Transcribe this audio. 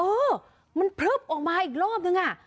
เออมันพลึบออกมาอีกรอบนึงอ่ะ